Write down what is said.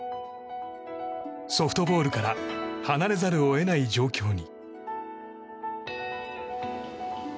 ソフトボールから離れざるを得ない状況に。